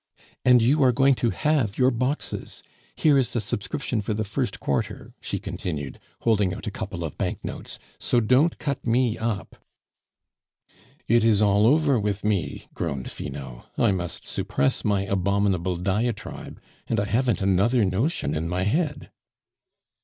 And you are going to have your boxes. Here is the subscription for the first quarter," she continued, holding out a couple of banknotes; "so don't cut me up!" "It is all over with me!" groaned Finot; "I must suppress my abominable diatribe, and I haven't another notion in my head."